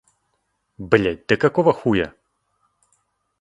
Блять, да какого хуя!